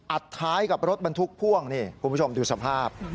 ท้ายกับรถบรรทุกพ่วงนี่คุณผู้ชมดูสภาพ